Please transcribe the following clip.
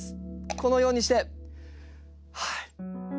このようにしてはい。